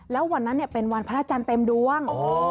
แล้ววันนั้นเป็นวันพระอาจารย์เต็มดวง